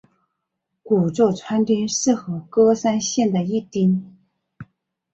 古座川町是和歌山县的一町。